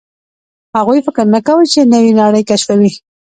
هغوی فکر نه کاوه، چې نوې نړۍ کشفوي.